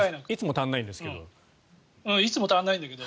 いつも足りないですけど。